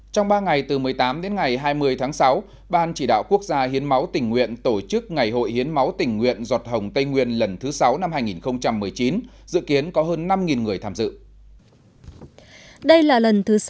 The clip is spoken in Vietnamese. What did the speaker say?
trong ba ngày từ một mươi tám đến ngày hai mươi tháng sáu ban chỉ đạo quốc gia hiến máu tình nguyện tổ chức ngày hội hiến máu tình nguyện giọt hồng tây nguyên lần thứ sáu năm hai nghìn một mươi chín dự kiến có hơn năm người tham dự